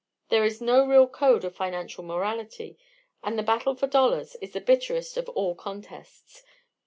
There is no real code of financial morality, and the battle for dollars is the bitterest of all contests.